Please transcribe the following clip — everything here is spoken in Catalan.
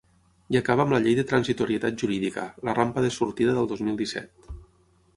I acaba amb la llei de transitorietat jurídica, la rampa de sortida del dos mil disset.